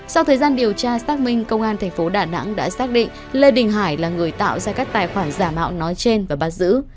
sau thời gian điều tra xác minh công an thành phố đà nẵng đã xác định lê đình hải là người tạo ra các tài khoản giả mạo nói trên và bắt giữ